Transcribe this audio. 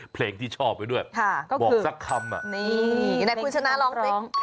เพลงที่ชอบไว้ด้วยบอกสักคำอ่ะนี่ไหนคุณชนะร้องเพลง